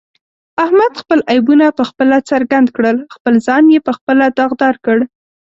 احمد خپل عیبونه په خپله څرګند کړل، خپل ځان یې په خپله داغدارکړ.